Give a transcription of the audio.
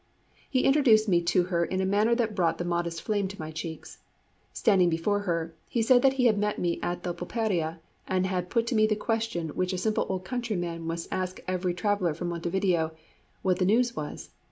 He introduced me to her in a manner that brought the modest flame to my cheeks. Standing before her, he said that he had met me at the pulpería and had put to me the question which a simple old countryman must ask of every traveller from Montevideo What the news was?